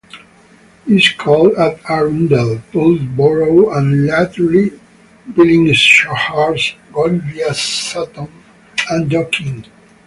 This called at Arundel, Pulborough and latterly Billingshurst, going via Sutton and Dorking.